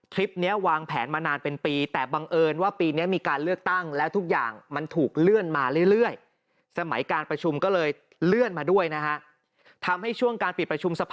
ทริปนี้วางแผนมานานเป็นปี